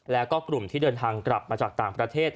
แล้วก็กลุ่มที่เดินทางกลับมาจากต่างประเทศ